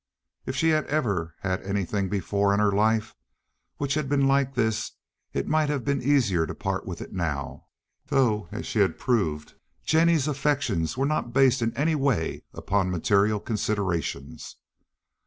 If she had ever had anything before in her life which had been like this it might have been easier to part with it now, though, as she had proved, Jennie's affections were not based in any way upon material considerations.